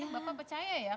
bapak percaya ya